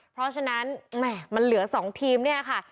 เพราะฉะนั้นมันเหลือ๒ทีมนี่ค่ะ